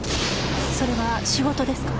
それは仕事ですか？